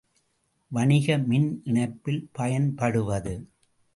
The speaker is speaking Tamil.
வணிக மின் இணைப்பில் பயன்படுவது.